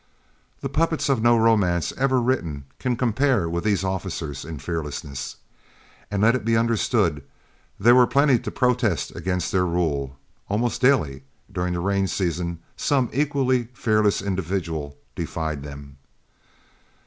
The puppets of no romance ever written can compare with these officers in fearlessness. And let it be understood, there were plenty to protest against their rule; almost daily during the range season some equally fearless individual defied them.